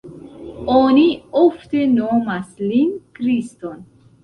Oni ofte nomas lin Kriston.